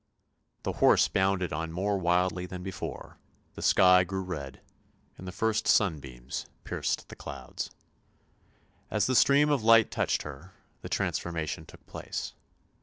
The horse bounded on more wildly than before, the sky grew red, and the first sunbeams pierced the clouds. As the stream of light touched her, the transformation took place.